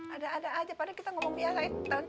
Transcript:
ada ada aja padahal kita ngomongin ya